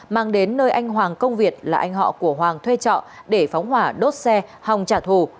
mang đến nơi anh hoàng công việt là anh họ của hoàng thuê trọ để phóng hỏa đốt xe hòng trả thù